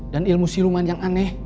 dan ilmu siruman yang aneh